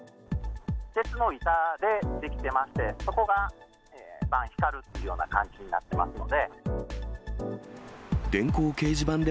鉄の板で出来てまして、そこが光るっていうような感じになってますんで。